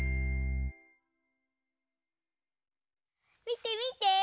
みてみて！